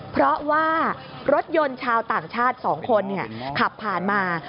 เพราะว่ารถยนต์ชาวต่างชาติ๒คนขับผ่านมา